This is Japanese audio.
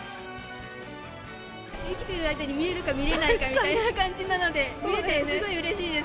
生きている間に見れるか見れないかみたいな感じなので、見れてすごくうれしいです。